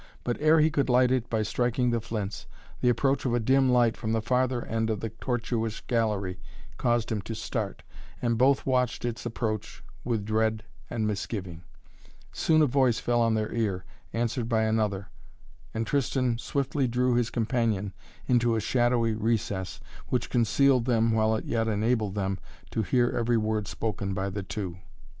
But ere he could light it by striking the flints, the approach of a dim light from the farther end of the tortuous gallery caused him to start, and both watched its approach with dread and misgiving. Soon a voice fell on their ear, answered by another, and Tristan swiftly drew his companion into a shadowy recess which concealed them while it yet enabled them to hear every word spoken by the two.